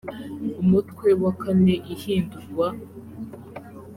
umutwe wa kane ihindurwa